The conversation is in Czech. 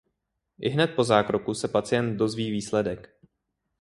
Ihned po zákroku se pacient dozví výsledek.